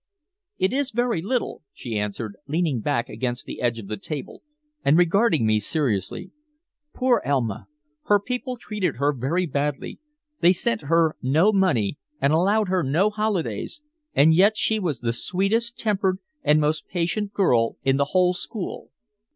"It is very little," she answered, leaning back against the edge of the table and regarding me seriously. "Poor Elma! Her people treated her very badly indeed. They sent her no money, and allowed her no holidays, and yet she was the sweetest tempered and most patient girl in the whole school."